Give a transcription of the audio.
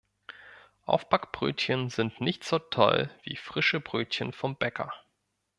Aufbackbrötchen sind nicht so toll wie frische Brötchen vom Bäcker.